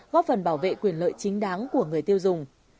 góp phần bảo vệ quyền lợi chính đáng của người tiêu dùng